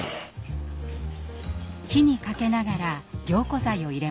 火にかけながら凝固剤を入れます。